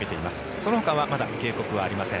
そのほかはまだ警告はありません。